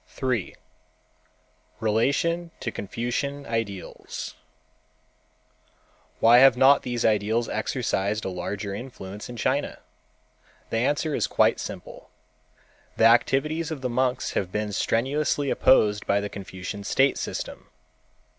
3. Relation to Confucian Ideals Why have not these ideals exercised a larger influence in China? The answer is quite simple. The activities of the monks have been strenuously opposed by the Confucian state system.